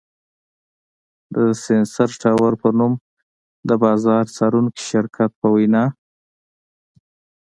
د سېنسر ټاور په نوم د بازار څارونکي شرکت په وینا